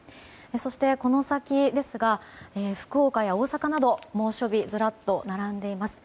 この先ですが福岡や大阪など猛暑日がずらっと並んでいます。